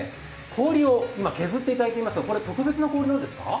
氷を今、削っていただいてますが特別な氷なんですか？